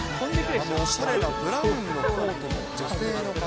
あのおしゃれなブラウンのコートの女性の方。